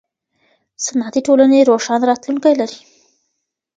صنعتي ټولنې روښانه راتلونکی لري.